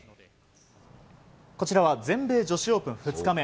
こちらは全米女子オープン２日目。